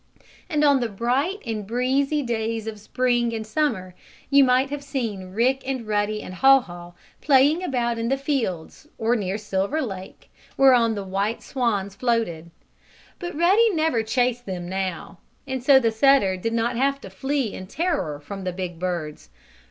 And on the bright and breezy days of spring and summer you might have seen Rick, Ruddy and Haw Haw playing about in the fields, or near Silver Lake, whereon the white swans floated. But Ruddy never chased them, now, and so the setter did not have to flee in terror from the big birds.